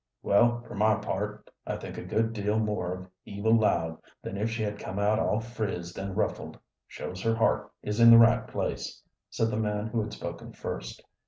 "Well, for my part, I think a good deal more of Eva Loud than if she had come out all frizzed and ruffled shows her heart is in the right place," said the man who had spoken first.